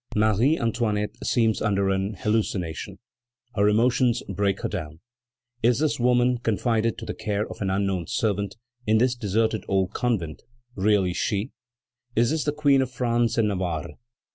Marie Antoinette seems under an hallucination; her emotions break her down. Is this woman, confided to the care of an unknown servant, in this deserted old convent, really she? Is this the Queen of France and Navarre?